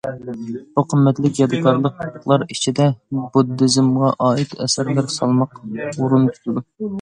بۇ قىممەتلىك يادىكارلىقلار ئىچىدە بۇددىزمغا ئائىت ئەسەرلەر سالماق ئورۇن تۇتىدۇ.